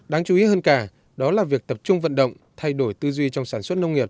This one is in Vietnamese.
đáng chú ý hơn cả đó là việc tập trung vận động thay đổi tư duy trong sản xuất nông nghiệp